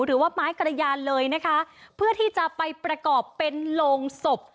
หรือว่าไม้กระยานเลยนะคะเพื่อที่จะไปประกอบเป็นโรงศพ